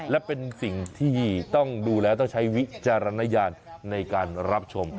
และเป็นสิ่งที่ต้องดูแล้วต้องใช้วิจารณญาณในการรับชม